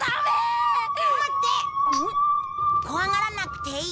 怖がらなくていい。